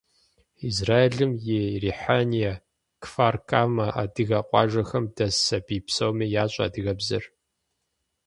Израилым и Рихьэния, Кфар-Камэ адыгэ къуажэхэм дэс сабий псоми ящӀэ адыгэбзэр.